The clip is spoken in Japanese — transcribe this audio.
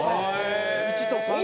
１と３と。